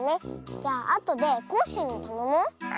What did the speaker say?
じゃあとでコッシーにたのもう。